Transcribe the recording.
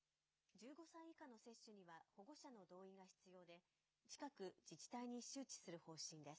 １５歳以下の接種には保護者の同意が必要で、近く、自治体に周知する方針です。